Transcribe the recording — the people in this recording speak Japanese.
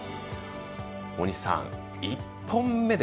大西さん、１本目で。